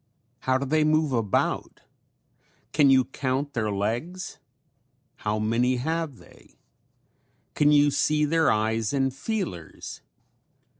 How do they move about? Can you count their legs? How many have they? Can you see their eyes and feelers?